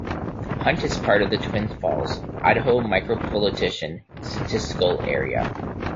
Hunt is part of the Twin Falls, Idaho Micropolitan Statistical Area.